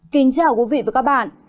kính chào quý vị và các bạn